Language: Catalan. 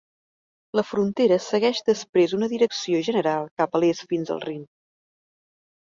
La frontera segueix després una direcció general cap a l'est fins al Rin.